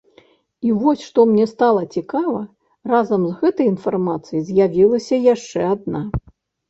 І вось што мне стала цікава, разам з гэтай інфармацыяй з'явілася яшчэ адна.